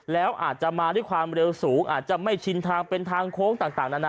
แล้วอาจจะมาด้วยความเร็วสูงอาจจะไม่ชินทางเป็นทางโค้งต่างนานา